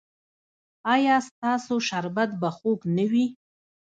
ایا ستاسو شربت به خوږ نه وي؟